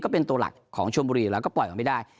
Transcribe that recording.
ตัวเป็นตัวหลักของชมบุรีแล้วก็ปล่อยออกมาไม่ได้